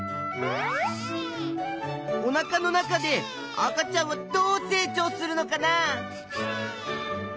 おなかの中で赤ちゃんはどう成長するのかな？